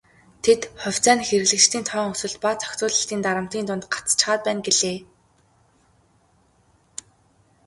Тэд "хувьцаа нь хэрэглэгчдийн тоон өсөлт ба зохицуулалтын дарамтын дунд гацчихаад байна" гэлээ.